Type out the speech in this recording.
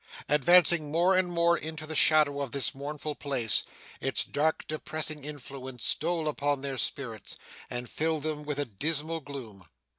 Advancing more and more into the shadow of this mournful place, its dark depressing influence stole upon their spirits, and filled them with a dismal gloom.